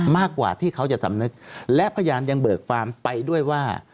มากกว่าที่เขาจะสำนึกและพยานยังเบิกฟาร์มไปด้วยว่า